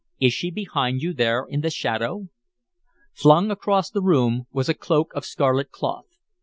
"Is she behind you there in the shadow?" Flung across a chair was a cloak of scarlet cloth.